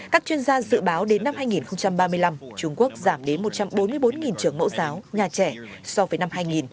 các chuyên gia dự báo đến năm hai nghìn ba mươi năm trung quốc giảm đến một trăm bốn mươi bốn trường mẫu giáo nhà trẻ so với năm hai nghìn